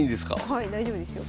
はい大丈夫ですよ。